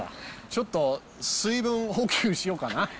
ちょっと水分補給しようかな。